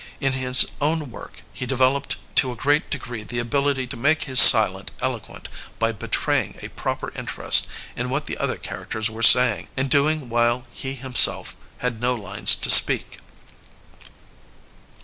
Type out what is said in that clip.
In his own work he developed to a great degree the ability to make his silence eloquent by betraying a proper interest in what the other char acters were saying and doing while he himself had no lines to speak.